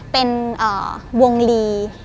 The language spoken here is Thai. เป็นวงลี